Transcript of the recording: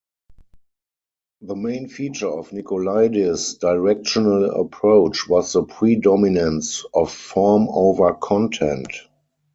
The main feature of Nikolaidis' directorial approach was the predominance of form over content.